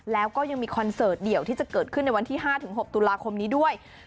แล้วก็ยังมีคอนเสิร์ตเดี่ยวที่จะเกิดขึ้นในวันที่๕๖ตุลาคมนี้ด้วย